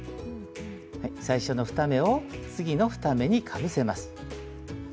最初の２目を次の２目にかぶせます。